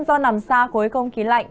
do nằm xa cối không khí lạnh